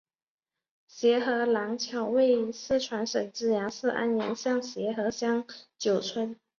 协和廊桥位于四川省资阳市安岳县协和乡九村。